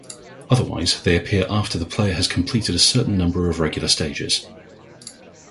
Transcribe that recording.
Otherwise, they appear after the player has completed a certain number of regular stages.